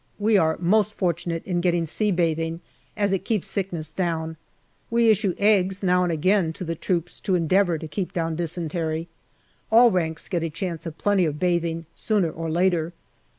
We are most fortunate in getting sea bathing, as it keeps sickness down. We issue eggs now and again to the troops to endeavour to keep down dysentery. All ranks get a chance of plenty of bathing, sooner or later.